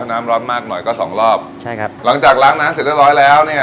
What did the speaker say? น้ำร้อนมากหน่อยก็สองรอบใช่ครับหลังจากล้างน้ำเสร็จเรียบร้อยแล้วเนี้ย